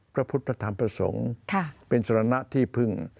พระพุทธพระธรรมพระสงฆ์เป็นสรณะที่พึ่ง